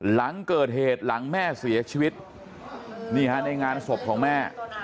หลังเกิดเหตุหลังแม่เสียชีวิตนี่ฮะในงานศพของแม่